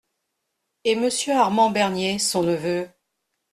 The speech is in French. Et Monsieur Armand Bernier, son neveu ?